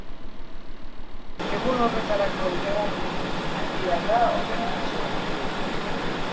Egun horretarako iragarri duten euria da horren arrazoia.